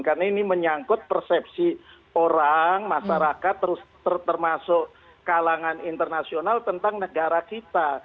karena ini menyangkut persepsi orang masyarakat termasuk kalangan internasional tentang negara kita